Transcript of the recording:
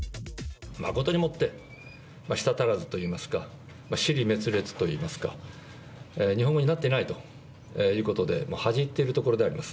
誠にもって、舌足らずといいますか、支離滅裂といいますか、日本語になってないということで、恥じ入っているところであります。